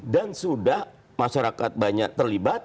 dan sudah masyarakat banyak terlibat